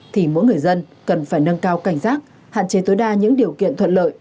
thì mỗi người dân cần phải nâng cao cảnh giác hạn chế tối đa những điều kiện thuận lợi